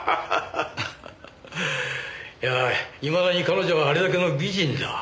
いやぁいまだに彼女はあれだけの美人だ。